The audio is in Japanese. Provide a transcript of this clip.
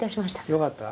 よかった。